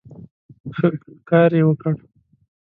ښه ښکار یې وکړ.